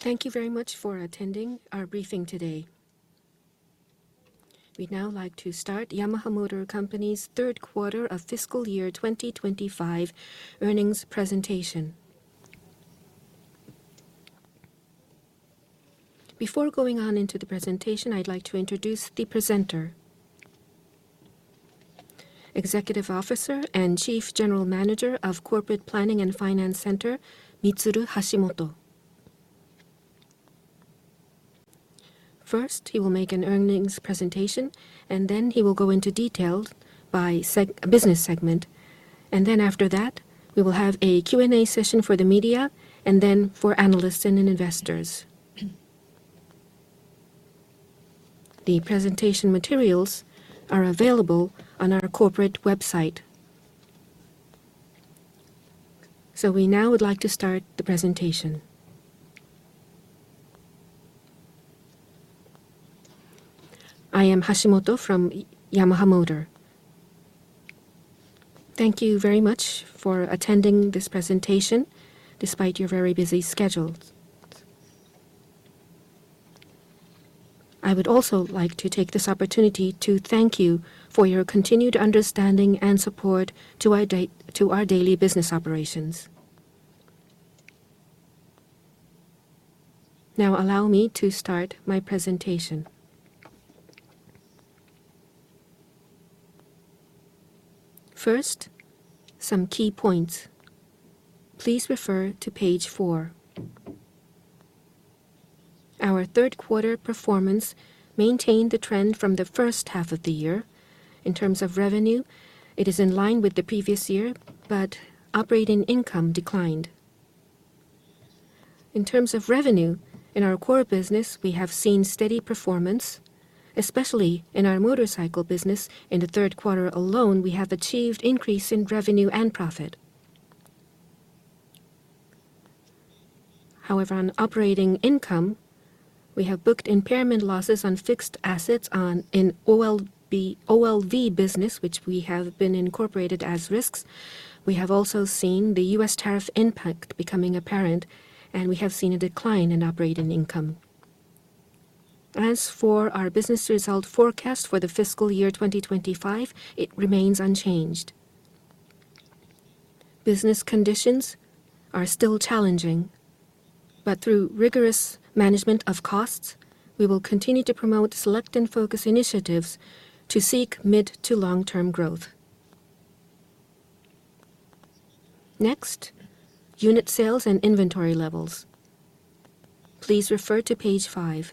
Thank you very much for attending our briefing today. We'd now like to start Yamaha Motor Company's third quarter of fiscal year 2025 earnings presentation. Before going on into the presentation, I'd like to introduce the presenter, Executive Officer and Chief General Manager of Corporate Planning and Finance Center, Mitsuru Hashimoto. First, he will make an earnings presentation, and then he will go into detail by business segment, and then after that, we will have a Q&A session for the media and then for analysts and investors. The presentation materials are available on our corporate website, so we now would like to start the presentation. I am Hashimoto from Yamaha Motor. Thank you very much for attending this presentation despite your very busy schedules. I would also like to take this opportunity to thank you for your continued understanding and support to our daily business operations. Now allow me to start my presentation. First, some key points. Please refer to page four. Our third quarter performance maintained the trend from the first half of the year. In terms of revenue, it is in line with the previous year, but operating income declined. In terms of revenue, in our core business, we have seen steady performance, especially in our Motorcycle business. In the third quarter alone, we have achieved an increase in revenue and profit. However, on operating income, we have booked impairment losses on fixed assets in the OLP business, which we have been incorporated as risks. We have also seen the US tariff impact becoming apparent, and we have seen a decline in operating income. As for our business result forecast for the fiscal year 2025, it remains unchanged. Business conditions are still challenging, but through rigorous management of costs, we will continue to promote select and focused initiatives to seek mid- to long-term growth. Next, unit sales and inventory levels. Please refer to page five.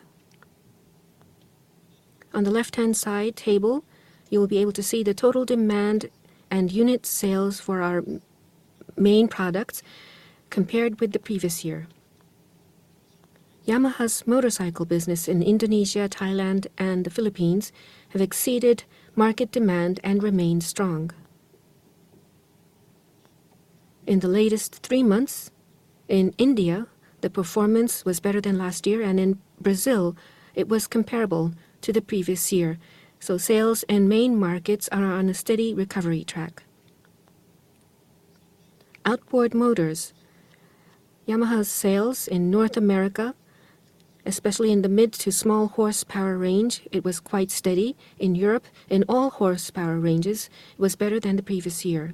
On the left-hand side table, you will be able to see the total demand and unit sales for our main products compared with the previous year. Yamaha's Motorcycle business in Indonesia, Thailand, and the Philippines have exceeded market demand and remained strong. In the latest three months, in India, the performance was better than last year, and in Brazil, it was comparable to the previous year. So sales and main markets are on a steady recovery track. Outboard motors, Yamaha's sales in North America, especially in the mid- to small Horsepower range, were quite steady. In Europe, in all Horsepower ranges, it was better than the previous year.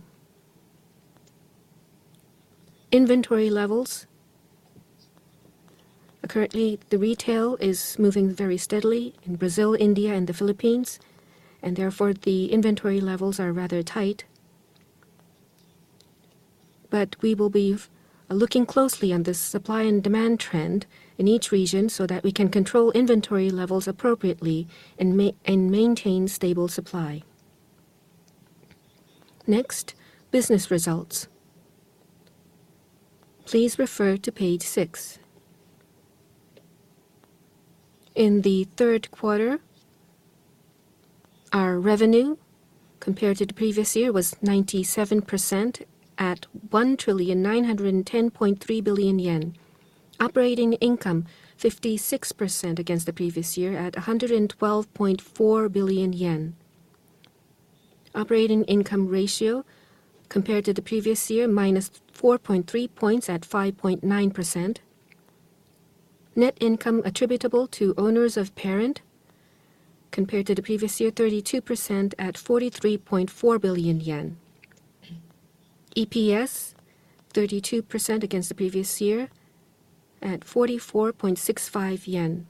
Inventory levels, currently, the retail is moving very steadily in Brazil, India, and the Philippines, and therefore the inventory levels are rather tight. But we will be looking closely on the supply and demand trend in each region so that we can control inventory levels appropriately and maintain stable supply. Next, business results. Please refer to page six. In the third quarter, our revenue compared to the previous year was 97% at 1,910.3 billion yen. Operating income, 56% against the previous year at 112.4 billion yen. Operating income ratio compared to the previous year -4.3 points at 5.9%. Net income attributable to owners of parent compared to the previous year, 32% at 43.4 billion yen. EPS, 32% against the previous year at 44.65 yen.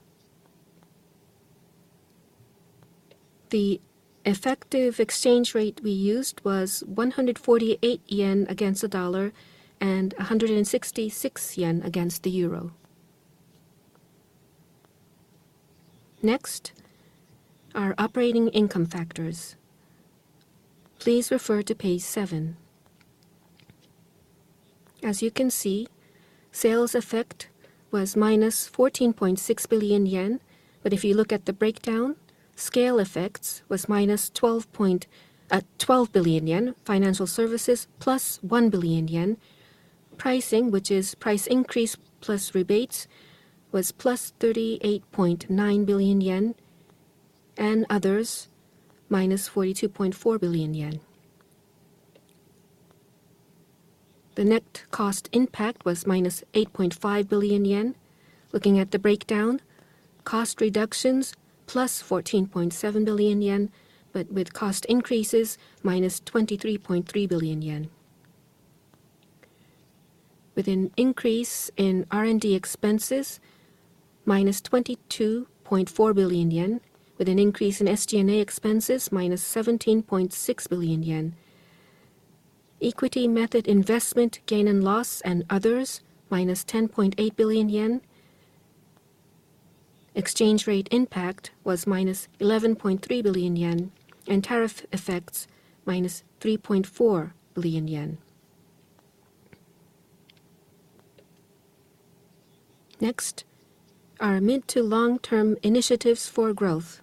The effective exchange rate we used was 148 yen against the USD and JPY 166 against the EUR. Next, our operating income factors. Please refer to page seven. As you can see, sales effect was minus 14.6 billion yen, but if you look at the breakdown, scale effects was minus 12 billion yen, Financial Services plus 1 billion yen. Pricing, which is price increase plus rebates, was plus 38.9 billion yen, and others minus JPY 42.4 billion. The net cost impact was minus 8.5 billion yen. Looking at the breakdown, cost reductions plus 14.7 billion yen, but with cost increases minus 23.3 billion yen. With an increase in R&D expenses minus 22.4 billion yen, with an increase in SG&A expenses minus 17.6 billion yen. Equity method investment gain and loss and others minus 10.8 billion yen. Exchange rate impact was minus 11.3 billion yen, and tariff effects minus JPY 3.4 billion. Next, our mid- to long-term initiatives for growth.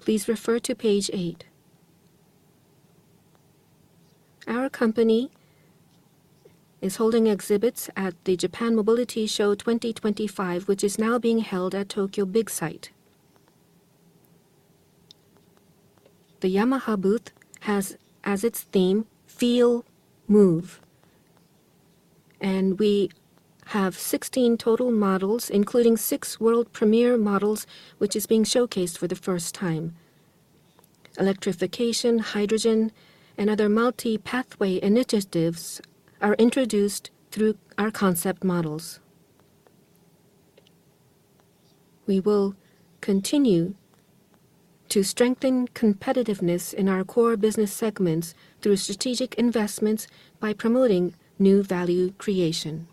Please refer to page eight. Our company is holding exhibits at the Japan Mobility Show 2025, which is now being held at Tokyo Big Sight. The Yamaha booth has as its theme, "Feel, Move," and we have 16 total models, including six world premiere models, which are being showcased for the first time. electrification, hydrogen, and other multi-pathway initiatives are introduced through our concept models. We will continue to strengthen competitiveness in our core business segments through strategic investments by promoting new value creation.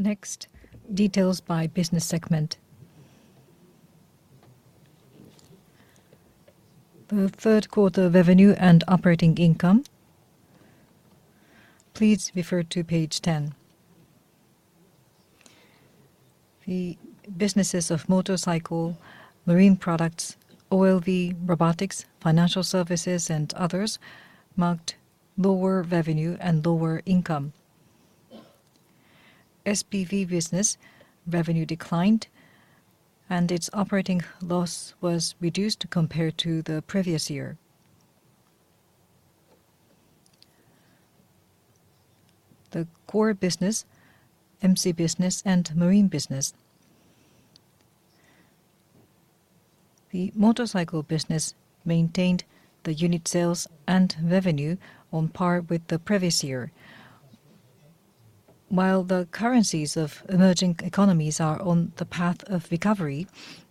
Next, details by business segment. The third quarter revenue and operating income. Please refer to page 10. The businesses of Motorcycle, Marine products, OLV, Robotics, Financial Services, and others marked lower revenue and lower income. SPV business revenue declined, and its operating loss was reduced compared to the previous year. The core business, MC business, and Marine Business. The Motorcycle business maintained the unit sales and revenue on par with the previous year. While the currencies of emerging economies are on the path of recovery,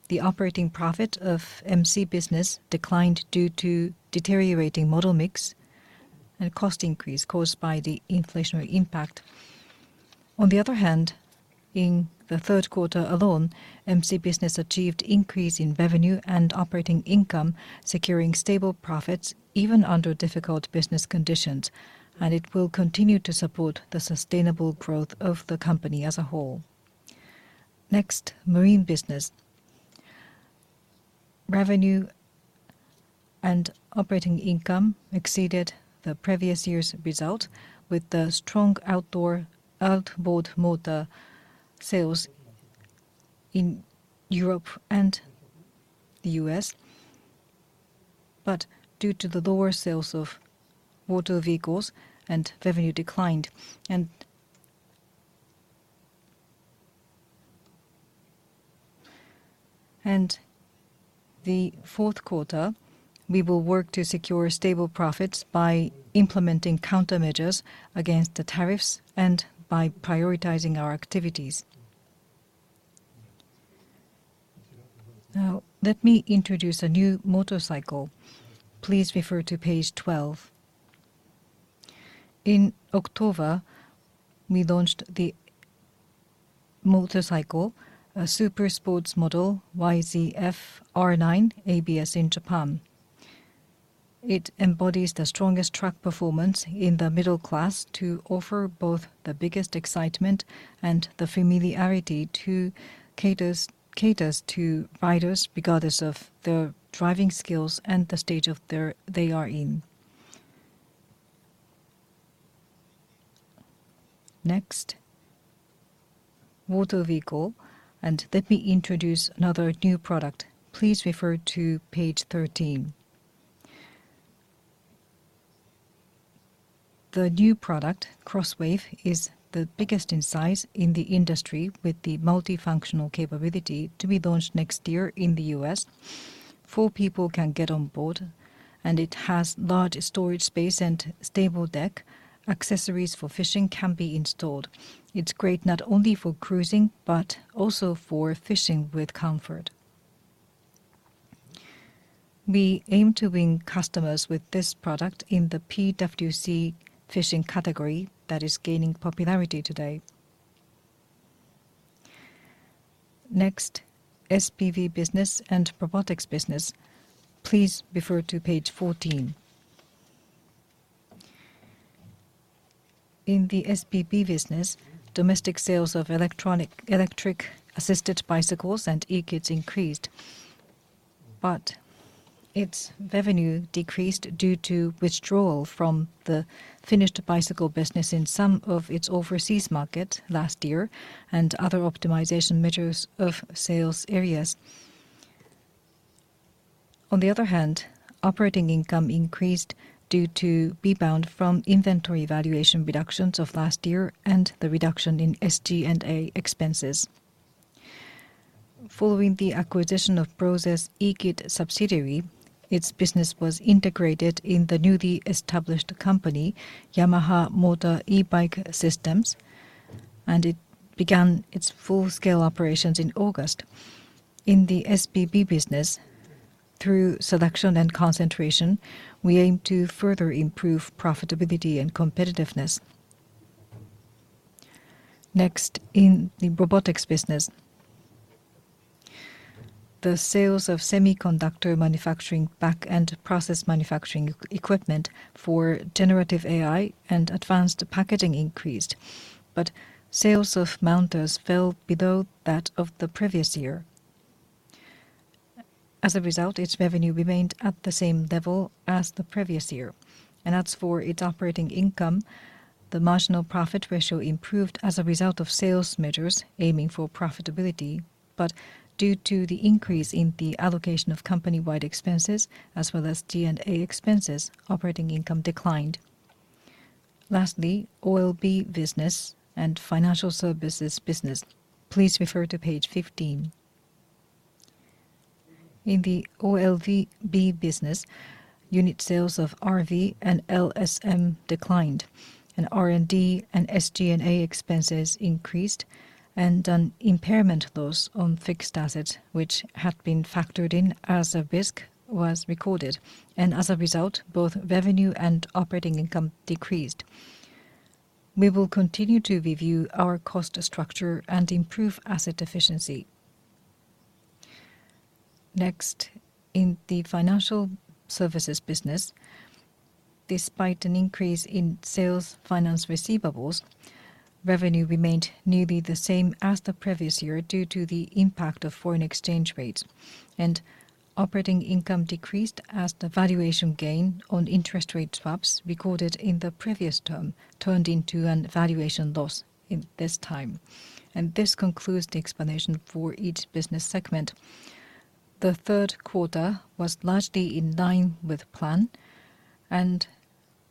the operating profit of MC business declined due to deteriorating model mix and cost increase caused by the inflationary impact. On the other hand, in the third quarter alone, MC business achieved an increase in revenue and operating income, securing stable profits even under difficult business conditions, and it will continue to support the sustainable growth of the company as a whole. Next, Marine Business. Revenue and operating income exceeded the previous year's result with the strong outboard motor sales in Europe and the US, but due to the lower sales of motor vehicles, revenue declined. In the fourth quarter, we will work to secure stable profits by Implementing countermeasures against the tariffs and by prioritizing our activities. Now, let me introduce a new Motorcycle. Please refer to page 12. In October, we launched the Motorcycle, a Supersport model, YZF-R9 ABS in Japan. It embodies the strongest track performance in the middle class to offer both the biggest excitement and the familiarity it caters to riders regardless of their driving skills and the stage they are in. Next, motor vehicle and let me introduce another new product. Please refer to page 13. The new product, CrossWave, is the biggest in size in the industry with the Multifunctional capability to be launched next year in the US. Four people can get on board, and it has large storage space and a stable deck. Accessories for fishing can be installed. It's great not only for cruising but also for fishing with comfort. We aim to win customers with this product in the PWC fishing category that is gaining popularity today. Next, SPV business and Robotics business. Please refer to page 14. In the SPV business, domestic sales of electric assisted bicycles and e-kits increased, but its revenue decreased due to withdrawal from the finished bicycle business in some of its overseas markets last year and other optimization measures of sales areas. On the other hand, operating income increased due to rebound from inventory valuation reductions of last year and the reduction in SG&A expenses. Following the acquisition of Panasonic's e-kit subsidiary, its business was integrated in the newly established company, Yamaha Motor E-Bike Systems, and it began its full-scale operations in August. In the SPV business, through selection and concentration, we aim to further improve profitability and competitiveness. Next, in the Robotics business, the sales of semiconductor manufacturing back-end process manufacturing equipment for generative AI and advanced packaging increased, but sales of mounters fell below that of the previous year. As a result, its revenue remained at the same level as the previous year. As for its operating income, the marginal profit ratio improved as a result of sales measures aiming for profitability, but due to the increase in the allocation of company-wide expenses as well as SG&A expenses, operating income declined. Lastly, OLP business and Financial Services business. Please refer to page 15. In the OLP business, unit sales of RV and LSM declined, and R&D and SG&A expenses increased, and an impairment loss on fixed assets, which had been factored in as a risk, was recorded. As a result, both revenue and operating income decreased. We will continue to review our cost structure and improve asset efficiency. Next, in the Financial Services business, despite an increase in sales finance receivables, revenue remained nearly the same as the previous year due to the impact of foreign exchange rates, and operating income decreased as the valuation gain on interest rate swaps recorded in the previous term turned into a valuation loss this time. And this concludes the explanation for each business segment. The third quarter was largely in line with the plan, and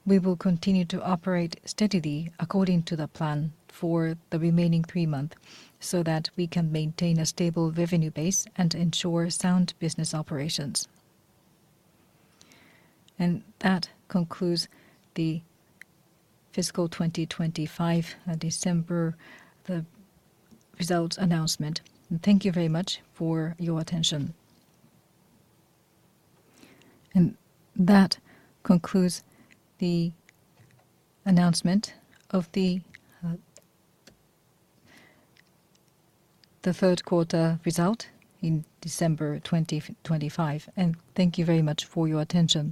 we will continue to operate steadily according to the plan for the remaining three months so that we can maintain a stable revenue base and ensure sound business operations. And that concludes the fiscal 2025 December results announcement. Thank you very much for your attention. And that concludes the announcement of the third quarter results in December 2025. Thank you very much for your attention.